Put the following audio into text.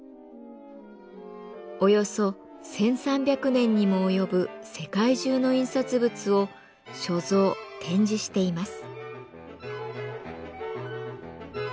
およそ１，３００年にも及ぶ世界中の印刷物を所蔵展示しています。